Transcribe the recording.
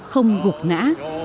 không gục ngã